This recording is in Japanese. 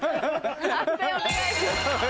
判定お願いします。